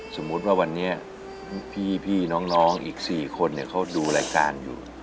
สมมุติว่าวันนี้พี่น้องอีก๔คนเขาดูรายการอยู่